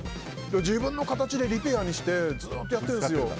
自分の形でリペアにしてずっとやってるんですよ。